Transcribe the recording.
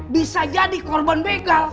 bisa jadi korban begal